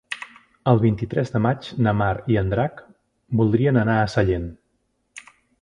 El vint-i-tres de maig na Mar i en Drac voldrien anar a Sellent.